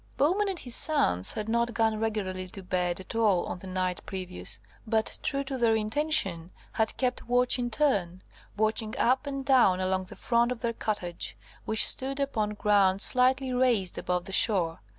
Bowman and his sons had not gone regularly to bed at all on the night previous, but, true to their intention, had kept watch in turn, walking up and down along the front of their cottage, which stood upon ground slightly raised above the shore.